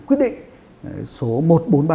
quyết định số một mươi bốn